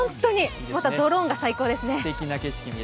またドローンが最高ですね。